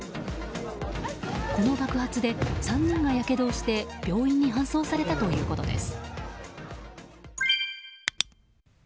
この爆発で３人がやけどをして病院に搬送されたということです。